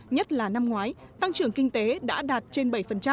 nhất là năm ngoái tăng trưởng kinh tế đã đạt trên bảy